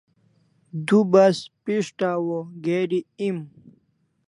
Du bas pishtaw o geri em